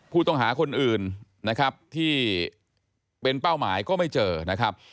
ผู้ต้องหาคนอื่นนะครับที่เป็นเป้าหมายก็ไม่เจอนะครับ